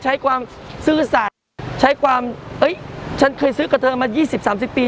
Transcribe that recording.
ใช้ความซื่อสัตว์ใช้ความฉันเคยซื้อกระเทิงมา๒๐๓๐ปี